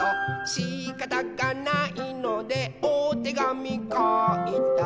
「しかたがないのでおてがみかいた」